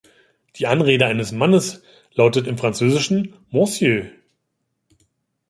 Die Anrede eines Mannes lautet im Französischen "Monsieur".